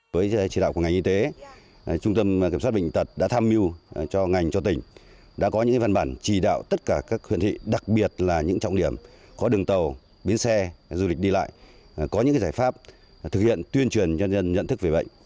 với chỉ đạo của ngành y tế trung tâm kiểm soát bệnh tật đã tham mưu cho ngành cho tỉnh đã có những văn bản chỉ đạo tất cả các huyện thị đặc biệt là những trọng điểm có đường tàu biến xe du lịch đi lại có những giải pháp thực hiện tuyên truyền cho nhân dân nhận thức về bệnh